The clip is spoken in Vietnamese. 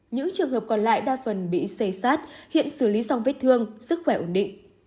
những trường hợp còn lại đa phần bị xây sát hiện xử lý xong vết thương sức khỏe ổn định